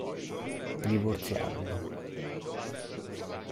Divorziarono.